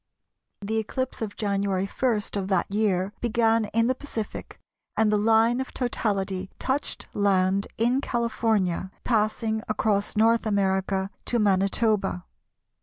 The eclipse of January 1 of that year began in the Pacific and the line of totality touched land in California, passing across North America to Manitoba.